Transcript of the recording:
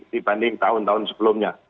dibanding tahun tahun sebelumnya